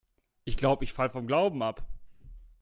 Ich glaube, ich falle vom Glauben ab.